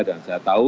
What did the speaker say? dan saya tahu